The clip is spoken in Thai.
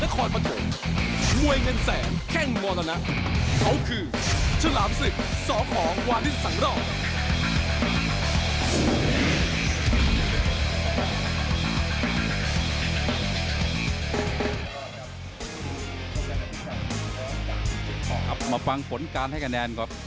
ครับมาฟังฝนการให้คะแนนครับ